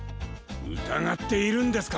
うたがっているんですか？